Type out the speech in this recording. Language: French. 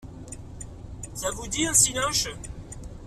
ça vous dit un cinoche?